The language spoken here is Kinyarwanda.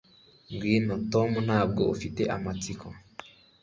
Ngwino Tom ntabwo ufite amatsiko